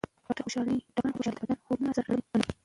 ډاکټران خوشحالي د بدن هورمونونو سره تړلې ګڼي.